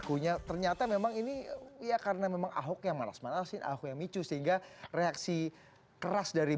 kami akan jeda sejenak kami akan segera kembali